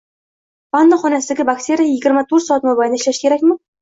Vanna xonasidagi batareya yigirma to'rt soat mobaynida ishlashi kerakmi?